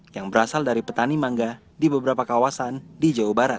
yang berasal dari petani mangga di beberapa kawasan di jawa barat